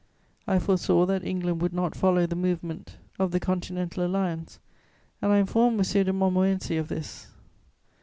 I foresaw that England would not follow the movement of the Continental Alliance, and I informed M. de Montmorency of this.